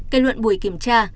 kết luận buổi kiểm tra